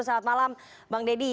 selamat malam bang deddy